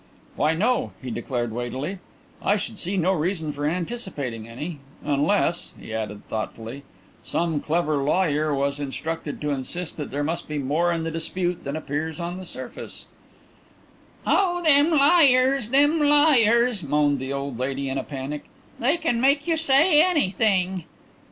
"Why, no," he declared weightily. "I should see no reason for anticipating any. Unless," he added thoughtfully, "some clever lawyer was instructed to insist that there must be more in the dispute than appears on the surface." "Oh, them lawyers, them lawyers!" moaned the old lady in a panic. "They can make you say anything."